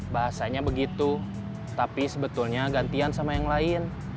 bahasanya begitu tapi sebetulnya gantian sama yang lain